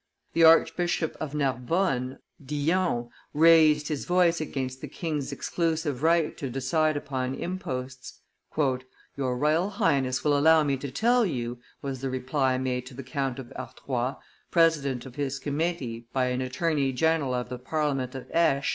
The Archbishop of Narbonne (Dillon) raised his voice against the king's exclusive right to decide upon imposts. "Your Royal Highness will allow me to tell you," was the reply made to the Count of Artois, president of his committee, by an attorney general of the parliament of Aix, M.